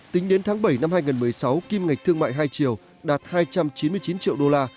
tính đến tháng bảy năm hai nghìn một mươi sáu kim ngạch thương mại hai triệu đạt hai trăm chín mươi chín triệu đô la